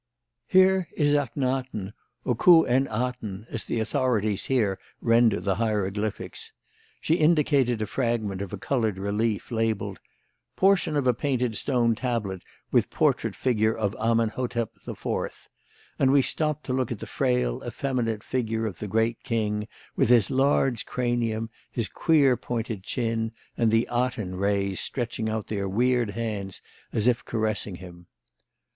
"Here is Ahkhenaten or Khu en aten, as the authorities here render the hieroglyphics." She indicated a fragment of a coloured relief labelled: "Portion of a painted stone tablet with a portrait figure of Amen hetep IV," and we stopped to look at the frail, effeminate figure of the great king, with his large cranium, his queer, pointed chin and the Aten rays stretching out their weird hands as if caressing him.